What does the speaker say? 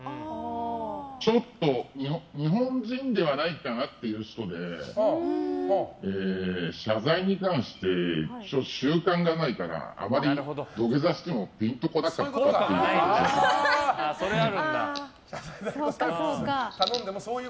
ちょっと日本人ではないかなという人で謝罪に関して習慣がないからあまり土下座してもピンと来なかったという。